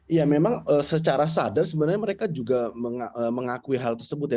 iya memang secara sadar sebenarnya mereka juga mengakui hal tersebut ya